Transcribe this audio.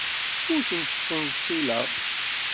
Ur ten-ttsenṣileɣ.